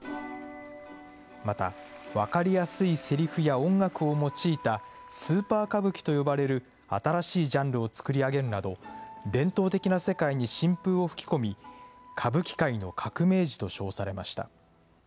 また、分かりやすいせりふや音楽を用いたスーパー歌舞伎と呼ばれる新しいジャンルを作り上げるなど、伝統的な世界に新風を吹き込み、歌舞伎界の革命児と称されました。